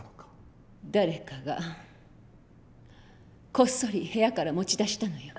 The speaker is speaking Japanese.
誰かがこっそり部屋から持ち出したのよ。